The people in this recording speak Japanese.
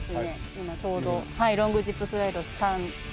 今ちょうどロングジップスライドスタンバイが。